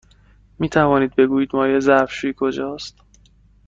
می توانید بگویید مایع ظرف شویی کجاست؟